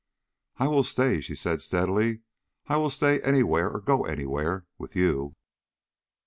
"I will stay," she said steadily. "I will stay anywhere or go anywhere, with you."